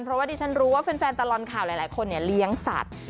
เพราะว่าดิฉันรู้ว่าแฟนตลอดข่าวหลายคนเลี้ยงสัตว์